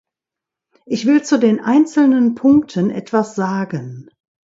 Ich will zu den einzelnen Punkten etwas sagen.